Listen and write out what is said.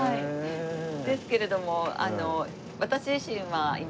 ですけれども私自身は今。